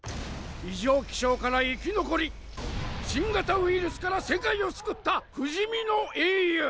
異常気象から生き残り新型ウイルスから世界を救った不死身の英雄！